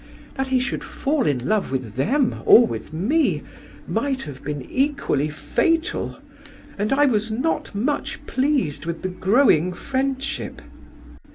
That he should fall in love with them or with me, might have been equally fatal, and I was not much pleased with the growing friendship.